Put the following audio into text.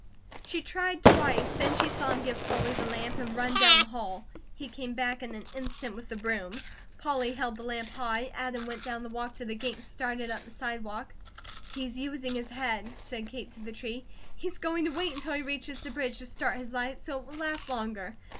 She tried twice, then she saw him give Polly the lamp, and run down the hall. He came back in an instant with the broom. Polly held the lamp high, Adam went down the walk to the gate and started up the sidewalk. "He's using his head," said Kate to the tree. "He's going to wait until he reaches the bridge to start his light, so it will last longer.